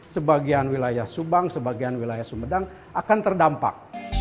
sebagian wilayah subang sebagian wilayah sumedang akan terdampak